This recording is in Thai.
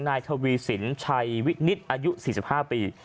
นายทวีสินชัยวินิตอายุ๔๕ปี